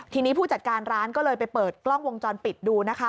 ทีนี้ผู้จัดการร้านก็เลยไปเปิดกล้องวงจรปิดดูนะคะ